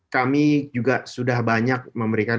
kami juga sudah banyak memberikan